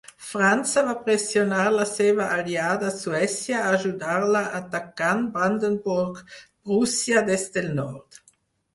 França va pressionar la seva aliada Suècia a ajudar-la atacant Brandenburg-Prússia des del nord.